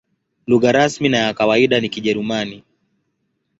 Lugha rasmi na ya kawaida ni Kijerumani.